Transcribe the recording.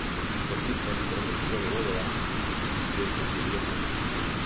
Existen diferentes tipos de bóveda de crucería simple.